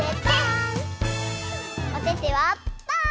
おててはパー！